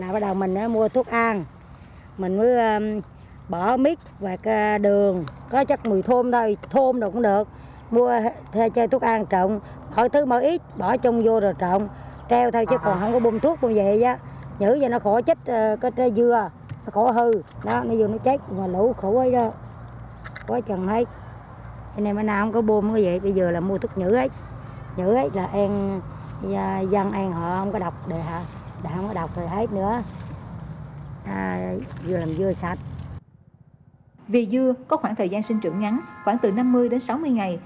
vì dưa có khoảng thời gian sinh trưởng ngắn khoảng từ năm mươi đến sáu mươi ngày